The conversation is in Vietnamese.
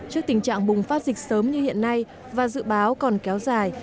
trước tình trạng bùng phát dịch sớm như hiện nay và dự báo còn kéo dài